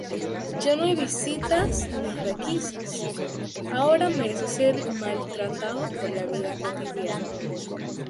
Ya no hay visitas ni requisas, ahora merece ser maltratado por la vida cotidiana.